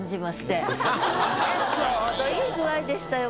ちょうどいい具合でしたよ